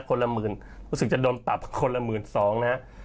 ละหมื่นรู้สึกจะโดนปรับคนละหมื่นสองนะฮะ